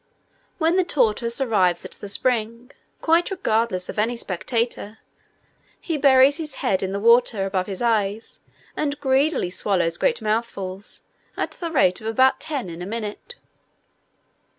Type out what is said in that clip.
When the tortoise arrives at the spring, quite regardless of any spectator, he buries his head in the water above his eyes, and greedily swallows great mouthfuls, at the rate of about ten in a minute.